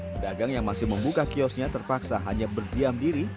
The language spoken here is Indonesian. pedagang yang masih membuka kiosnya terpaksa hanya berdiam diri